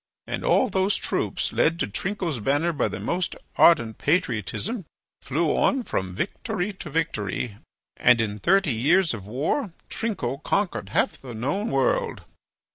And all those troops, led to Trinco's banner by the most ardent patriotism, flew on from victory to victory, and in thirty years of war Trinco conquered half the known world."